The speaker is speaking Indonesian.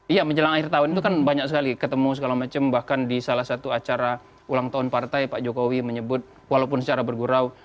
iya menjelang akhir tahun itu kan banyak sekali ketemu segala macam bahkan di salah satu acara ulang tahun partai pak jokowi menyebut walaupun secara bergurau